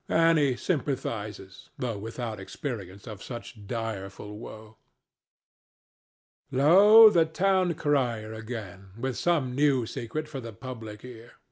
Annie sympathizes, though without experience of such direful woe. Lo! the town crier again, with some new secret for the public ear.